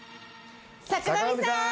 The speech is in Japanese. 坂上さーん